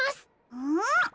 うん！